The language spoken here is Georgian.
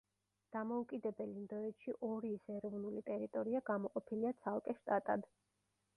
დამოუკიდებელ ინდოეთში ორიის ეროვნული ტერიტორია გამოყოფილია ცალკე შტატად.